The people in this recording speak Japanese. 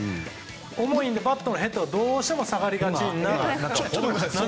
重いので、バットヘッドがどうしても下がりがちになってしまう。